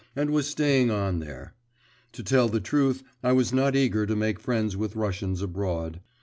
and was staying on there. To tell the truth, I was not eager to make friends with Russians abroad.